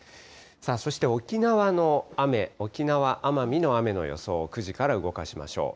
そして雨、沖縄・奄美の雨の予想、９時から動かしましょう。